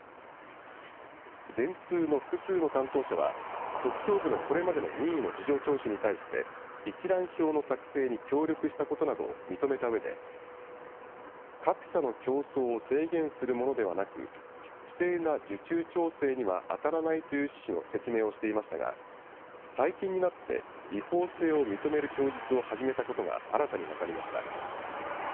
電通の複数の担当者は、特捜部のこれまでの任意の事情聴取に対して、一覧表の作成に協力したことなどを認めたうえで、各社の競争を制限するものではなく、不正な受注調整には当たらないという趣旨の説明をしていましたが、最近になって、違法性を認める供述を始めたことが新たに分かりました。